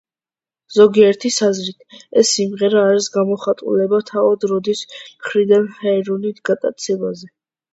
ზოგიერთის აზრით, ეს სიმღერა არის გამოხმაურება თავად რიდის მხრიდან ჰეროინით გატაცებაზე.